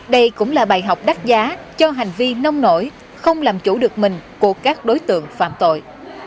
đây cũng là bài học đắt giá cho hành vi nông nổi không làm chủ được mình của các đối tượng phạm tội